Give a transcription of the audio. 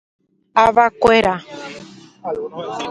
Avakuéra.